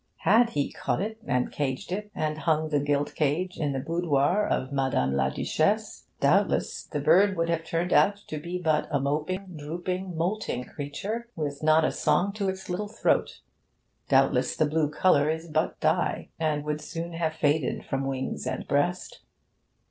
Had he caught it and caged it, and hung the gilt cage in the boudoir of Madame la Duchesse, doubtless the bird would have turned out to be but a moping, drooping, moulting creature, with not a song to its little throat; doubtless the blue colour is but dye, and would soon have faded from wings and breast.